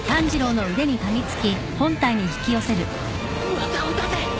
技を出せ！